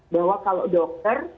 bahwa kalau dokter